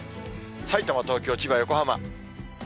さいたま、東京、千葉、横浜。